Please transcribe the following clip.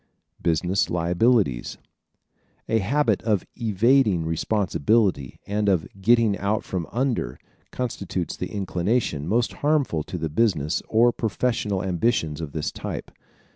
Business Liabilities ¶ A habit of evading responsibility and of "getting out from under" constitutes the inclination most harmful to the business or professional ambitions of this type.